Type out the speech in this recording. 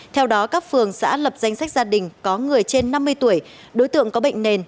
theo đó các phường xã lập danh sách gia đình có người trên năm mươi tuổi đối tượng có bệnh nền